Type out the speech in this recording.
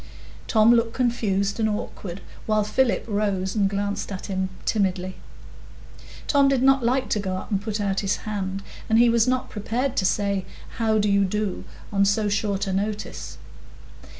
Tom looked confused and awkward, while Philip rose and glanced at him timidly. Tom did not like to go up and put out his hand, and he was not prepared to say, "How do you do?" on so short a notice.